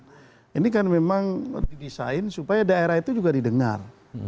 nah ini kan memang didesain supaya daerah itu juga didengar